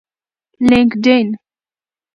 لینکډین